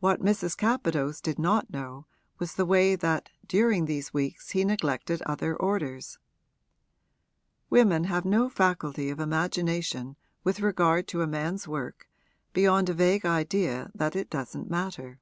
What Mrs. Capadose did not know was the way that during these weeks he neglected other orders: women have no faculty of imagination with regard to a man's work beyond a vague idea that it doesn't matter.